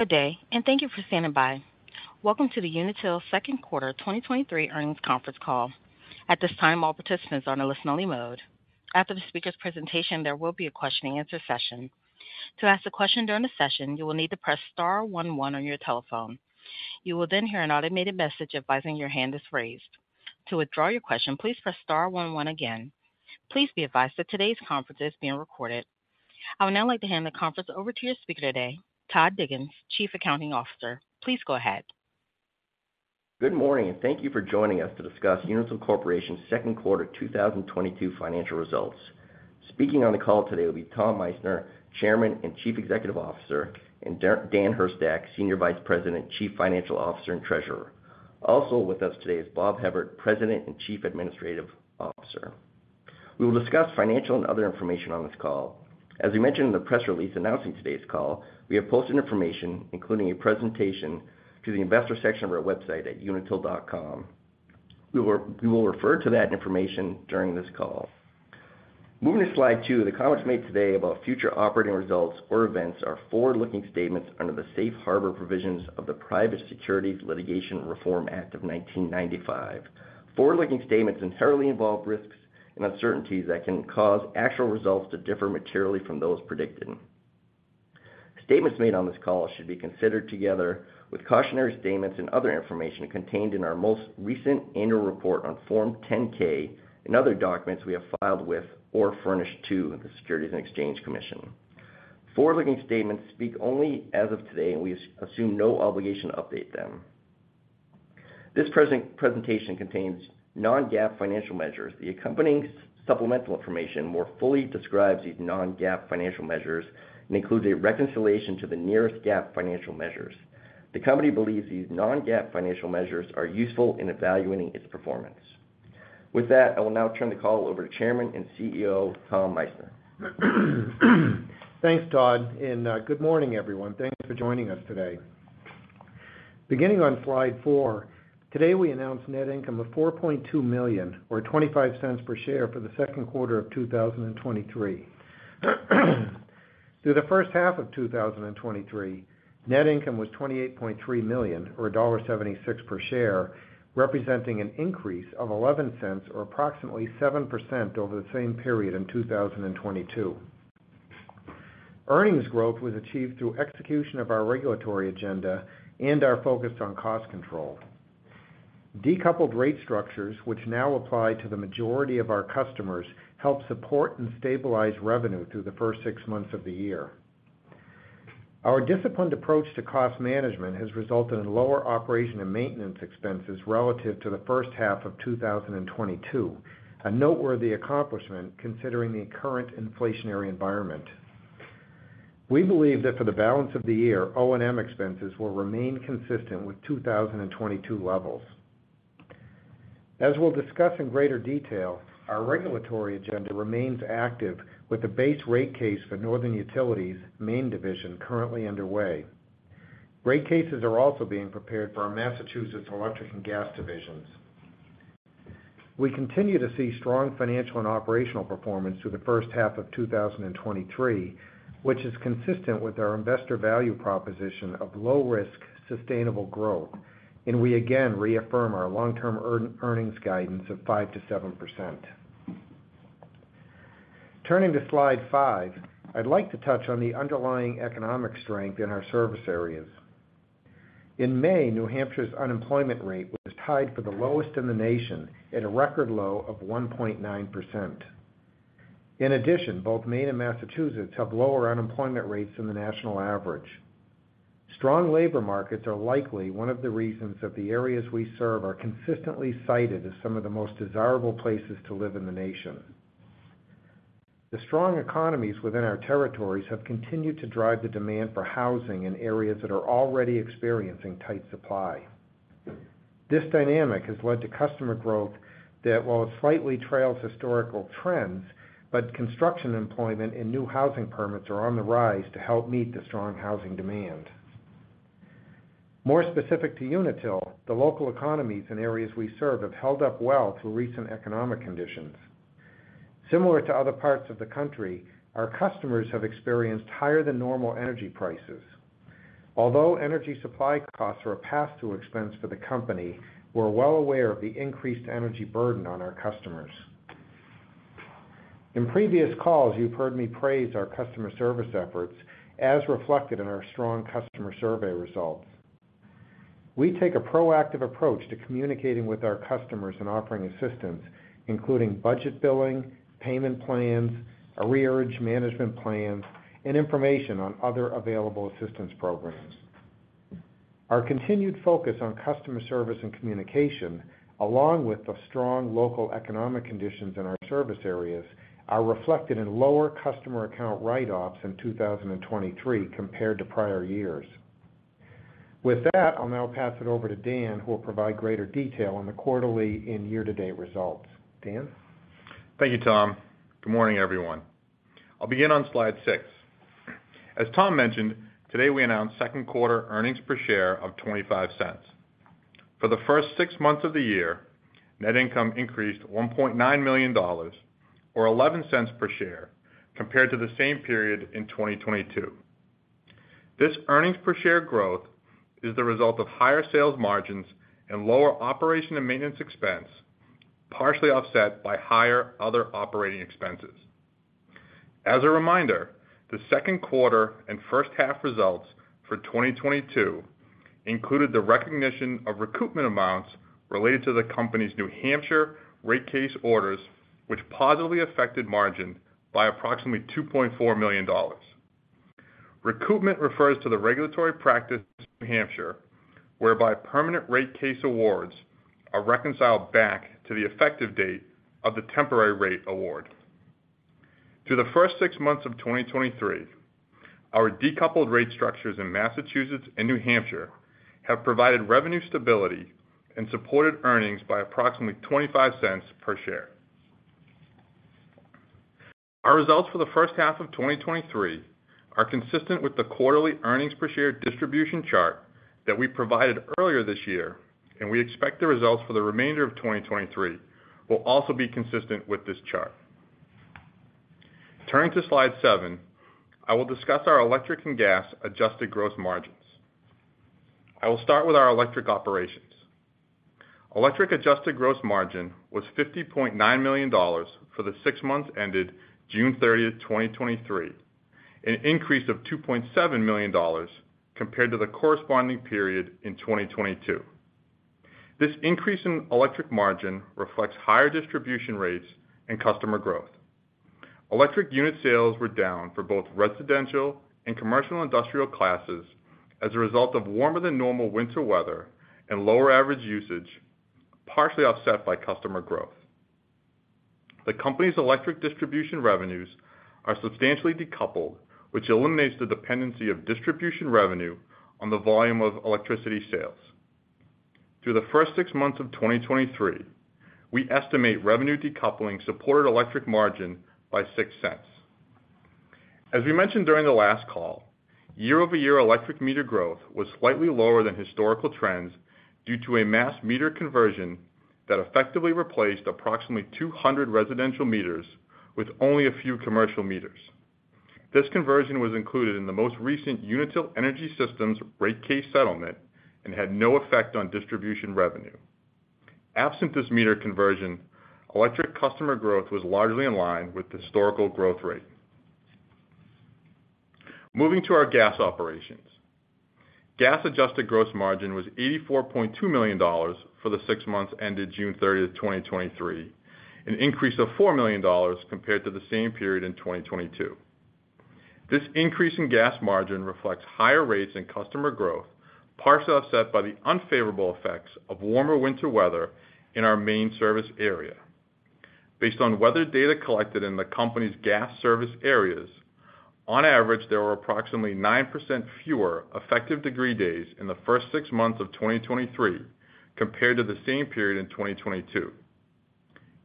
Good day, thank you for standing by. Welcome to the Unitil second quarter 2023 earnings conference call. At this time, all participants are on a listen-only mode. After the speaker's presentation, there will be a question-and-answer session. To ask a question during the session, you will need to press star one one on your telephone. You will hear an automated message advising your hand is raised. To withdraw your question, please press star one one again. Please be advised that today's conference is being recorded. I would now like to hand the conference over to your speaker today, Todd Diggins, Chief Accounting Officer. Please go ahead. Good morning, and thank you for joining us to discuss Unitil Corporation's second quarter 2022 financial results. Speaking on the call today will be Tom Meissner, Chairman and Chief Executive Officer, and Dan Hurstak, Senior Vice President, Chief Financial Officer, and Treasurer. Also with us today is Bob Hevert, President and Chief Administrative Officer. We will discuss financial and other information on this call. As we mentioned in the press release announcing today's call, we have posted information, including a presentation, to the investor section of our website at unitil.com. We will refer to that information during this call. Moving to slide two, the comments made today about future operating results or events are forward-looking statements under the Safe Harbor Provisions of the Private Securities Litigation Reform Act of 1995. Forward-looking statements inherently involve risks and uncertainties that can cause actual results to differ materially from those predicted. Statements made on this call should be considered together with cautionary statements and other information contained in our most recent annual report on Form 10-K and other documents we have filed with or furnished to the Securities and Exchange Commission. Forward-looking statements speak only as of today, and we assume no obligation to update them. This present-presentation contains non-GAAP financial measures. The accompanying supplemental information more fully describes these non-GAAP financial measures and includes a reconciliation to the nearest GAAP financial measures. The company believes these non-GAAP financial measures are useful in evaluating its performance. With that, I will now turn the call over to Chairman and CEO, Tom Meissner. Thanks, Todd, and good morning, everyone. Thanks for joining us today. Beginning on slide four, today, we announced net income of $4.2 million, or $0.25 per share for the second quarter of 2023. Through the first half of 2023, net income was $28.3 million, or $1.76 per share, representing an increase of $0.11 or approximately 7% over the same period in 2022. Earnings growth was achieved through execution of our regulatory agenda and our focus on cost control. Decoupled rate structures, which now apply to the majority of our customers, help support and stabilize revenue through the first six months of the year. Our disciplined approach to cost management has resulted in lower operation and maintenance expenses relative to the first half of 2022, a noteworthy accomplishment considering the current inflationary environment. We believe that for the balance of the year, O&M expenses will remain consistent with 2022 levels. As we'll discuss in greater detail, our regulatory agenda remains active with the base rate case for Northern Utilities' Maine division currently underway. Rate cases are also being prepared for Electric and Gas divisions. we continue to see strong financial and operational performance through the first half of 2023, which is consistent with our investor value proposition of low risk, sustainable growth, and we again reaffirm our long-term earn-earnings guidance of 5%-7%. Turning to slide five, I'd like to touch on the underlying economic strength in our service areas. In May, New Hampshire's unemployment rate was tied for the lowest in the nation at a record low of 1.9%. In addition, both Maine and Massachusetts have lower unemployment rates than the national average. Strong labor markets are likely one of the reasons that the areas we serve are consistently cited as some of the most desirable places to live in the nation. The strong economies within our territories have continued to drive the demand for housing in areas that are already experiencing tight supply. This dynamic has led to customer growth that while it slightly trails historical trends, but construction employment and new housing permits are on the rise to help meet the strong housing demand. More specific to Unitil, the local economies in areas we serve have held up well to recent economic conditions. Similar to other parts of the country, our customers have experienced higher-than-normal energy prices. Although energy supply costs are a pass-through expense for the company, we're well aware of the increased energy burden on our customers. In previous calls, you've heard me praise our customer service efforts, as reflected in our strong customer survey results. We take a proactive approach to communicating with our customers and offering assistance, including budget billing, payment plans, arrearage management plans, and information on other available assistance programs. Our continued focus on customer service and communication, along with the strong local economic conditions in our service areas, are reflected in lower customer account write-offs in 2023 compared to prior years. With that, I'll now pass it over to Dan, who will provide greater detail on the quarterly and year-to-date results. Dan? Thank you, Tom. Good morning, everyone. I'll begin on slide six. As Tom mentioned, today we announced second quarter earnings per share of $0.25. For the first six months of the year, net income increased $1.9 million, or $0.11 per share, compared to the same period in 2022. This earnings per share growth is the result of higher sales margins and lower operation and maintenance expense, partially offset by higher other operating expenses. As a reminder, the second quarter and first half results for 2022 included the recognition of recoupment amounts related to the company's New Hampshire rate case orders, which positively affected margin by approximately $2.4 million. Recoupment refers to the regulatory practice in New Hampshire, whereby permanent rate case awards are reconciled back to the effective date of the temporary rate award. Through the first six months of 2023, our decoupled rate structures in Massachusetts and New Hampshire have provided revenue stability and supported earnings by approximately $0.25 per share. Our results for the first half of 2023 are consistent with the quarterly earnings per share distribution chart that we provided earlier this year. We expect the results for the remainder of 2023 will also be consistent with this chart. Turning to slide seven, I will Electric and Gas adjusted gross margins. I will start with our electric operations. Electric adjusted gross margin was $50.9 million for the six months ended June 30th, 2023, an increase of $2.7 million compared to the corresponding period in 2022. This increase in electric margin reflects higher distribution rates and customer growth. Electric unit sales were down for both residential and commercial industrial classes as a result of warmer than normal winter weather and lower average usage, partially offset by customer growth. The company's electric distribution revenues are substantially decoupled, which eliminates the dependency of distribution revenue on the volume of electricity sales. Through the first six months of 2023, we estimate revenue decoupling supported electric margin by $0.06. As we mentioned during the last call, year-over-year electric meter growth was slightly lower than historical trends due to a master meter conversion that effectively replaced approximately 200 residential meters with only a few commercial meters. This conversion was included in the most recent Unitil Energy Systems rate case settlement and had no effect on distribution revenue. Absent this meter conversion, electric customer growth was largely in line with the historical growth rate. Moving to our gas operations. Gas adjusted gross margin was $84.2 million for the six months ended June 30th, 2023, an increase of $4 million compared to the same period in 2022. This increase in gas margin reflects higher rates and customer growth, partially offset by the unfavorable effects of warmer winter weather in our Maine service area. Based on weather data collected in the company's gas service areas, on average, there were approximately 9% fewer effective degree days in the first six months of 2023 compared to the same period in 2022.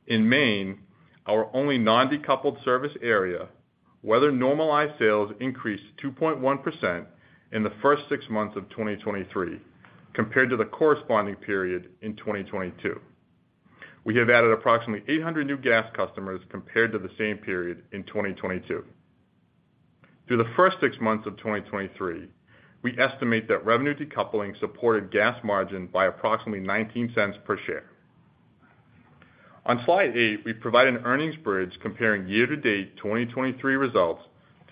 In Maine, our only non-decoupled service area, weather normalized sales increased 2.1% in the first six months of 2023 compared to the corresponding period in 2022. We have added approximately 800 new gas customers compared to the same period in 2022. Through the first six months of 2023, we estimate that revenue decoupling supported gas margin by approximately $0.19 per share. On slide eight, we provide an earnings bridge comparing year-to-date 2023 results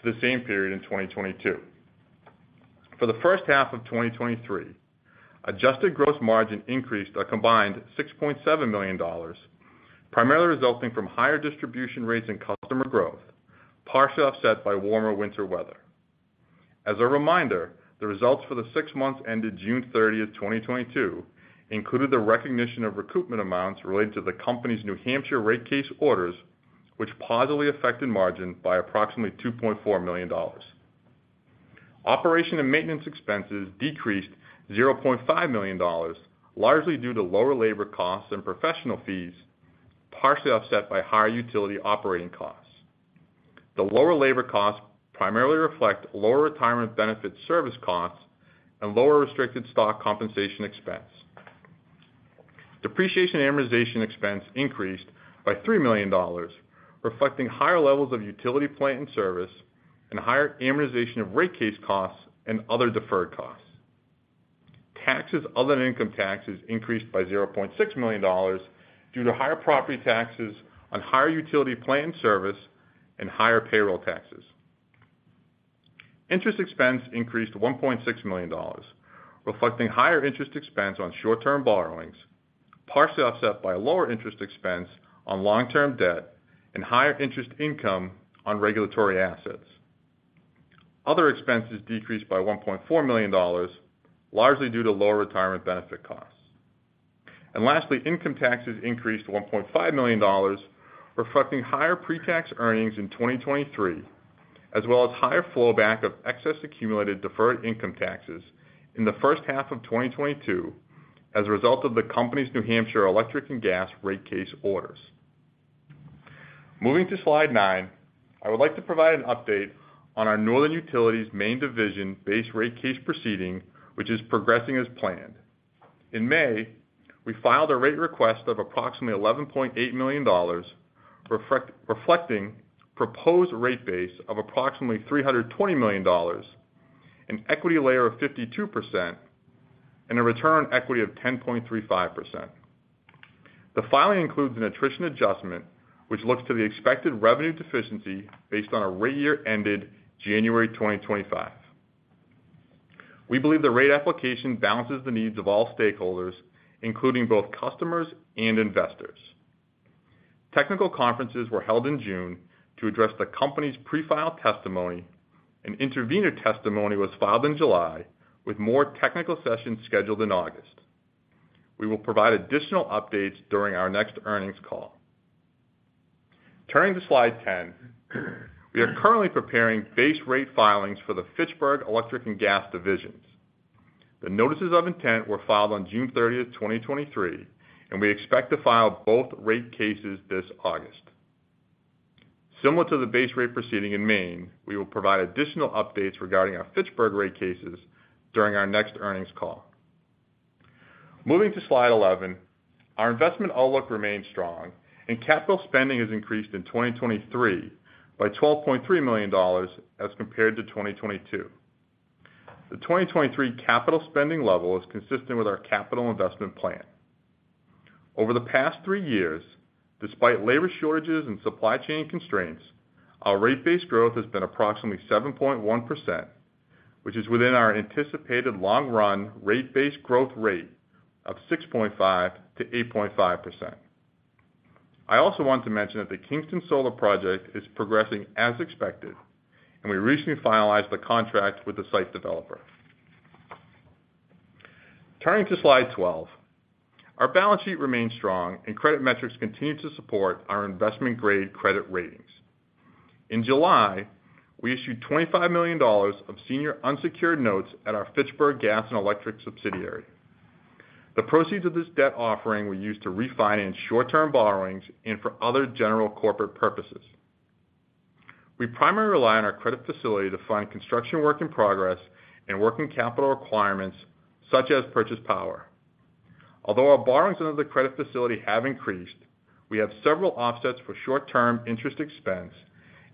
to the same period in 2022. For the first half of 2023, adjusted gross margin increased a combined $6.7 million, primarily resulting from higher distribution rates and customer growth, partially offset by warmer winter weather. As a reminder, the results for the six months ended June 30th, 2022, included the recognition of recoupment amounts related to the company's New Hampshire rate case orders, which positively affected margin by approximately $2.4 million. Operation and maintenance expenses decreased $0.5 million, largely due to lower labor costs and professional fees, partially offset by higher utility operating costs. The lower labor costs primarily reflect lower retirement benefit service costs and lower restricted stock compensation expense. Depreciation and amortization expense increased by $3 million, reflecting higher levels of utility plant and service, and higher amortization of rate case costs and other deferred costs. Taxes other than income taxes increased by $0.6 million due to higher property taxes on higher utility plant and service and higher payroll taxes. Interest expense increased to $1.6 million, reflecting higher interest expense on short-term borrowings, partially offset by lower interest expense on long-term debt and higher interest income on regulatory assets. Other expenses decreased by $1.4 million, largely due to lower retirement benefit costs. Lastly, income taxes increased to $1.5 million, reflecting higher pre-tax earnings in 2023, as well as higher flowback of excess accumulated deferred income taxes in the first half of 2022 as a result of the company's Electric and Gas rate case orders. Moving to slide nine. I would like to provide an update on our Northern Utilities' Maine division base rate case proceeding, which is progressing as planned. In May, we filed a rate request of approximately $11.8 million, reflecting proposed rate base of approximately $320 million, an equity layer of 52%, and a return on equity of 10.35%. The filing includes an attrition adjustment, which looks to the expected revenue deficiency based on a rate year ended January 2025. We believe the rate application balances the needs of all stakeholders, including both customers and investors. Technical conferences were held in June to address the company's pre-file testimony, and intervener testimony was filed in July, with more technical sessions scheduled in August. We will provide additional updates during our next earnings call. Turning to slide 10. We are currently preparing base rate filings for Electric and Gas divisions. the notices of intent were filed on June 30th, 2023, and we expect to file both rate cases this August. Similar to the base rate proceeding in Maine, we will provide additional updates regarding our Fitchburg rate cases during our next earnings call. Moving to slide 11. Our investment outlook remains strong, and capital spending has increased in 2023 by $12.3 million as compared to 2022. The 2023 capital spending level is consistent with our capital investment plan. Over the past three years, despite labor shortages and supply chain constraints, our rate-based growth has been approximately 7.1%, which is within our anticipated long-run rate-based growth rate of 6.5%-8.5%. I also want to mention that the Kingston Solar project is progressing as expected, and we recently finalized the contract with the site developer. Turning to slide 12. Our balance sheet remains strong, credit metrics continue to support our investment-grade credit ratings. In July, we issued $25 million of senior unsecured notes at our Fitchburg Gas and Electric subsidiary. The proceeds of this debt offering were used to refinance short-term borrowings and for other general corporate purposes. We primarily rely on our credit facility to fund construction work in progress and working capital requirements such as purchase power. Although our borrowings under the credit facility have increased, we have several offsets for short-term interest expense,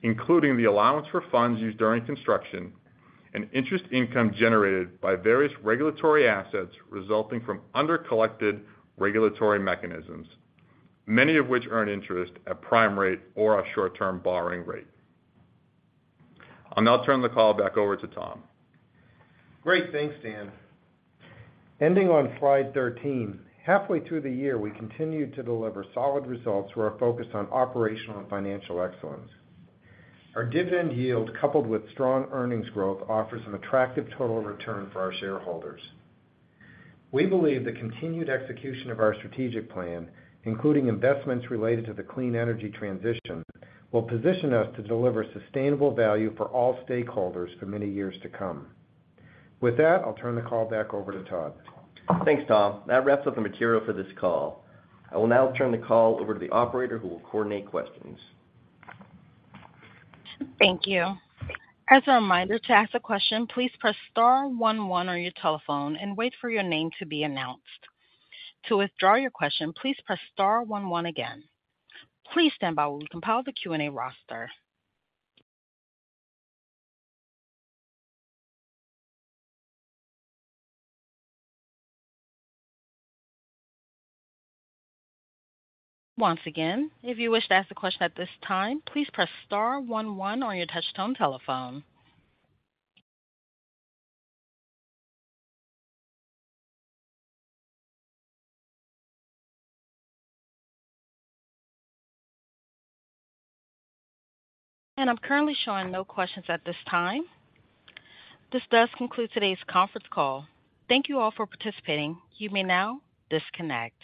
including the allowance for funds used during construction and interest income generated by various regulatory assets resulting from under-collected regulatory mechanisms, many of which earn interest at prime rate or our short-term borrowing rate. I'll now turn the call back over to Tom. Great. Thanks, Dan. Ending on slide 13. Halfway through the year, we continued to deliver solid results through our focus on operational and financial excellence. Our dividend yield, coupled with strong earnings growth, offers an attractive total return for our shareholders. We believe the continued execution of our strategic plan, including investments related to the clean energy transition, will position us to deliver sustainable value for all stakeholders for many years to come. With that, I'll turn the call back over to Todd. Thanks, Tom. That wraps up the material for this call. I will now turn the call over to the operator, who will coordinate questions. Thank you. As a reminder, to ask a question, please press star one one on your telephone and wait for your name to be announced. To withdraw your question, please press star one one again. Please stand by while we compile the Q&A roster. Once again, if you wish to ask a question at this time, please press star one one on your touchtone telephone. I'm currently showing no questions at this time. This does conclude today's conference call. Thank you all for participating. You may now disconnect.